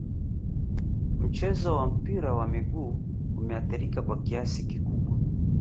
mchezo wa mpira wa miguu umeathirika kwa kiasi kikubwa